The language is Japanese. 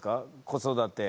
子育て。